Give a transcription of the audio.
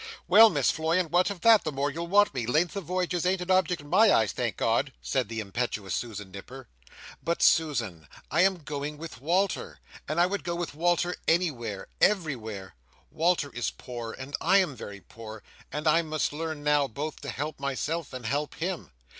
"Well Miss Floy, and what of that? the more you'll want me. Lengths of voyages ain't an object in my eyes, thank God!" said the impetuous Susan Nipper. "But, Susan, I am going with Walter, and I would go with Walter anywhere—everywhere! Walter is poor, and I am very poor, and I must learn, now, both to help myself, and help him."